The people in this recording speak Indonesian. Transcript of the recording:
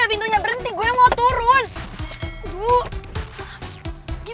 kalau gue beradif kayak gini